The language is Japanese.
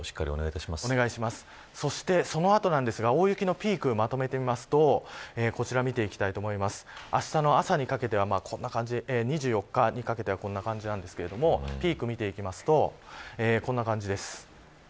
そして、その後ですが大雪のピークをまとめるとあしたの朝にかけては２４日にかけてはこんな感じなんですがピークを見ていくとこんな感じです。